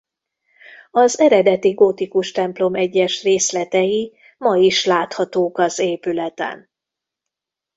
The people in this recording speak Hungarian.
Az eredeti gótikus templom egyes részletei ma is láthatók az épületen.